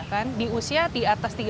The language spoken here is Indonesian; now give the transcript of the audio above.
pengaruh utama itu pasti usia